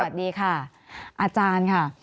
สวัสดีค่ะอาจารย์ค่ะ